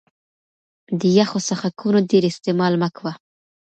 د يخو څښاکونو ډېر استعمال مه کوه